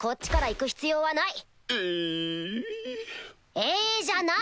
「え」じゃない！